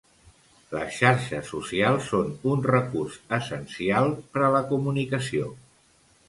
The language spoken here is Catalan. Les xarxes socials són un recurs essencial per a la comunicació.